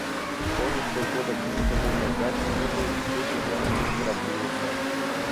Он еще года три тому назад не был в шлюпиках и храбрился.